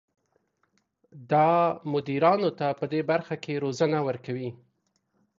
دا مدیرانو ته پدې برخه کې روزنه ورکوي.